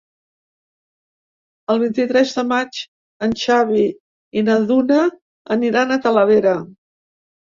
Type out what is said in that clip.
El vint-i-tres de maig en Xavi i na Duna aniran a Talavera.